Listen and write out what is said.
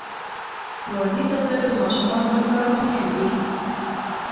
ښوونځي ته تلل د ماشومانو لپاره مهم دي.